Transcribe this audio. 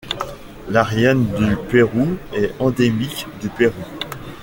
L’Ariane du Pérou est endémique du Pérou.